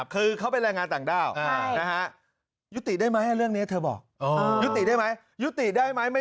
คือเขาเป็นรายงานต่างด้าว